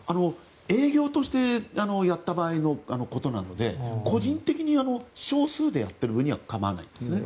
営業としてやった場合のことなので個人的に少数でやっている分には構わないんですね。